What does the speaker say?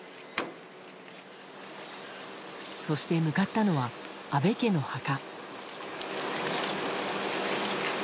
そして向かったのは安倍家の墓。